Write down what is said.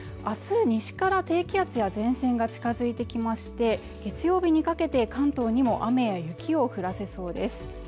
明日は西から低気圧や前線が近づいてきまして月曜日にかけて関東にも雨や雪を降らせそうです